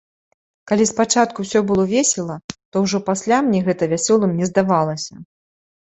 Калі спачатку усё было весела, то ўжо пасля мне гэта вясёлым не здавалася.